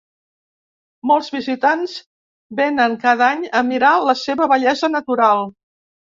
Molts visitants vénen cada any a mirar la seva bellesa natural.